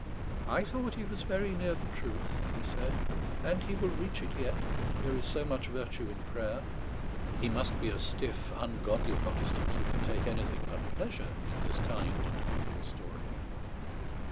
"I thought he was very near the truth," he said; "and he will reach it yet; there is so much virtue in prayer." He must be a stiff, ungodly Protestant who can take anything but pleasure in this kind and hopeful story.